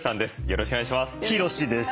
よろしくお願いします。